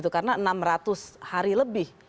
karena enam ratus hari lebih